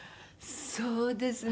そうですね。